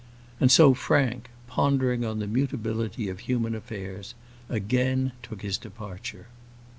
And so Frank, pondering on the mutability of human affairs, again took his departure.